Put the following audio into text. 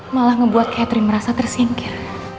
malah ngebuat catherine merasa tersingkir